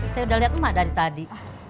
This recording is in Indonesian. saya udah lihat emak dari tadi